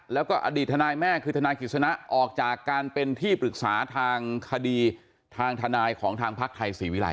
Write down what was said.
แล้วก็อดีตทนายแม่คือทนายกฤษณะออกจากการเป็นที่ปรึกษาทางคดีทางทนายของทางพักไทยศรีวิรัย